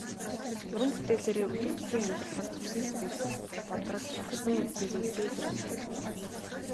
Уран бүтээлээрээ өдөр тутмын амьдралаас төрсөн сэтгэгдэл, бодрол, харсан үзсэн зүйлсээ илэрхийлдэг.